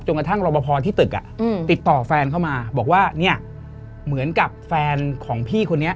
กระทั่งรอบพอที่ตึกติดต่อแฟนเข้ามาบอกว่าเนี่ยเหมือนกับแฟนของพี่คนนี้